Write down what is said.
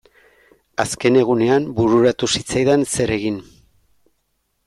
Azken egunean bururatu zitzaidan zer egin.